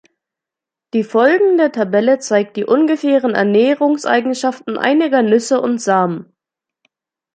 Die folgende Tabelle zeigt die ungefähren Ernährungseigenschaften einiger Nüsse und Samen.